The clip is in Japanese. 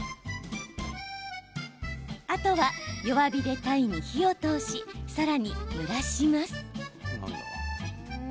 あとは、弱火で鯛に火を通しさらに蒸らします。